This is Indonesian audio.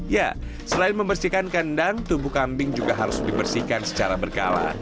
ya selain membersihkan kandang tubuh kambing juga harus dibersihkan secara berkala